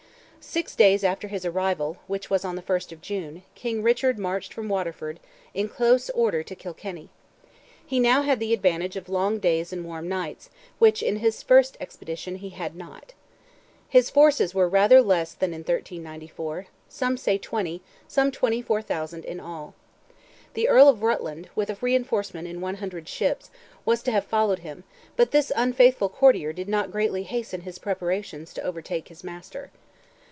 Six days after his arrival, which was on the 1st of June, King Richard marched from Waterford "in close order to Kilkenny." He had now the advantage of long days and warm nights, which in his first expedition he had not. His forces were rather less than in 1394; some say twenty, some twenty four thousand in all. The Earl of Rutland, with a reinforcement in one hundred ships, was to have followed him, but this unfaithful courtier did not greatly hasten his preparations to overtake his master.